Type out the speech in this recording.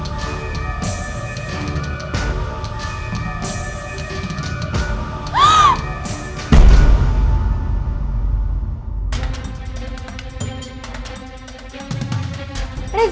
reza kamu ngapain disitu